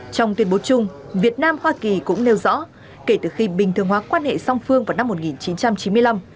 trong tuyên bố chung việt nam hoa kỳ cũng nêu rõ kể từ khi bình thường hóa quan hệ song phương vào năm một nghìn chín trăm chín mươi năm